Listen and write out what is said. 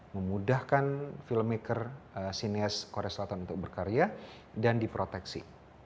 memudahkan filmmaker sinias korea selatan untuk berkarya dan diproteksi